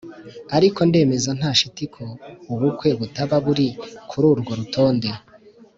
Ariko ndemeza nta shiti ko ubukwe butaba buri kuri urwo rutonde.